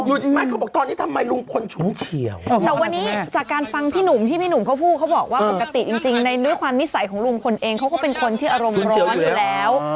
ไม่เขาบอกตอนนี้ทำไมลุงพลฉุนเฉียวแต่วันนี้จากการฟังพี่หนุ่มที่พี่หนุ่มเขาพูดเขาบอกว่าปกติจริงในด้วยความนิสัยของลุงพลเองเขาก็เป็นคนที่อารมณ์ร้อนอยู่แล้ว